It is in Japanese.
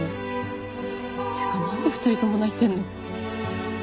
てか何で２人とも泣いてんの？